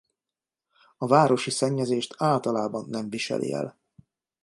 A városi szennyezést általában nem viseli el.